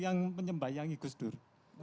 yang penyembah yang gus dur